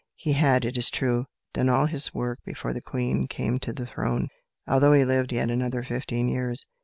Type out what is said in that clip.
He had, it is true, done all his work before the Queen came to the throne, although he lived yet another fifteen years.